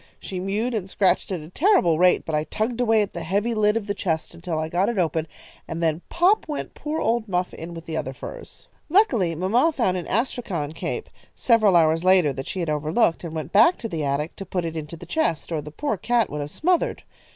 She mewed and scratched at a terrible rate, but I tugged away at the heavy lid of the chest until I got it open, and then pop went poor old Muff in with the other furs. "Luckily, mamma found an astrakhan cape, several hours later, that she had overlooked, and went back to the attic to put it into the chest, or the poor cat would have smothered.